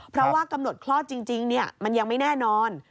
เพราะว่ากำหนดคลอดจริงมันยังไม่แน่นอน